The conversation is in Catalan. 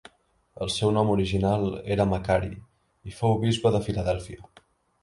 El seu nom original era Macari i fou bisbe de Filadèlfia.